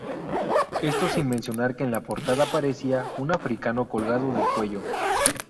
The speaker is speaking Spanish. Esto sin mencionar que en la portada aparecía un africano colgado del cuello.